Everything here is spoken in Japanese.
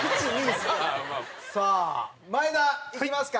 さあ真栄田いきますか。